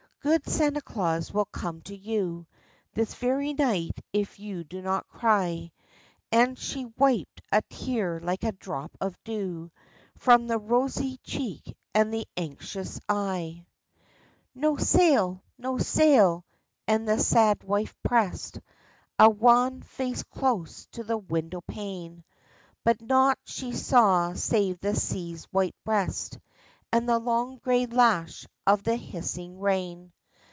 *'Good Santa Claus will come to you This very night if you do not cry," And she wiped a tear like a drop of dew From the rosy cheek and the anxious eye. 25 26 WHY SANTA CLAUS FORGOT. " No sail ! No sail !" and the sad wife pressed A wan face close to the window pane, But naught she saw save the sea's white breast And the long gray lash of the hissing rain.